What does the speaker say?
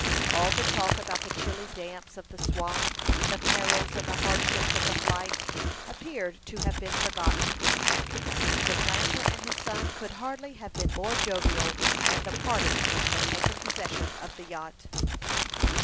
All the talk about the chilly damps of the swamp, the perils and the hardships of the flight, appeared to have been forgotten. The planter and his son could hardly have been more jovial than the party which had taken possession of the yacht.